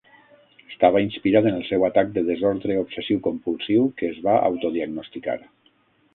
Estava inspirat en el seu atac de desordre obsessiu-compulsiu que es va autodiagnosticar.